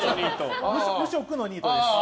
無職のニートです。